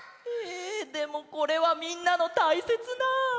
えでもこれはみんなのたいせつな。